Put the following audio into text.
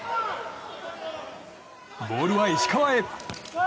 ボールは石川へ。